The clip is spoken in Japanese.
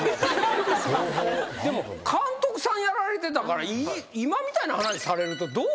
でも監督さんやられてたから今みたいな話されるとどうですか？